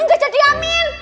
enggak jadi amin